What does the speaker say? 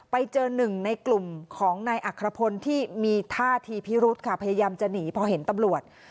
ไปเจอหนึ่งในกลุ่มของนายอัครพลที่มีท่าทีพิรุธค่ะพยายามจะหนีพอเห็นตำรวจ